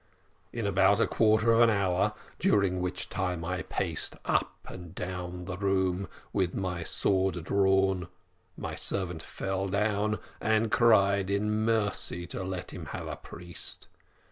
"In about a quarter of an hour, during which time I paced up and down the room, with my sword drawn, my servant fell down, and cried in mercy to let him have a priest.